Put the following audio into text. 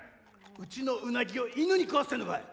うちのうなぎを犬に食わせてんのかい。